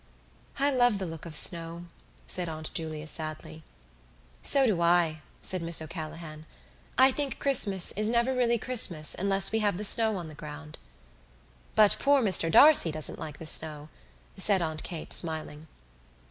"I love the look of snow," said Aunt Julia sadly. "So do I," said Miss O'Callaghan. "I think Christmas is never really Christmas unless we have the snow on the ground." "But poor Mr D'Arcy doesn't like the snow," said Aunt Kate, smiling.